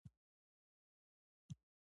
امیر پخپله دا راپورونه بې اساسه بللي وو.